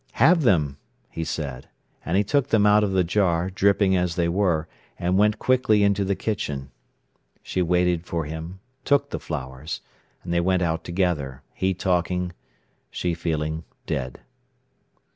"Have them!" he said; and he took them out of the jar, dripping as they were, and went quickly into the kitchen. She waited for him, took the flowers, and they went out together, he talking, she feeling dead.